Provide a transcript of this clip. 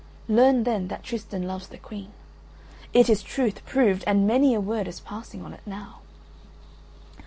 Learn then that Tristan loves the Queen; it is truth proved and many a word is passing on it now."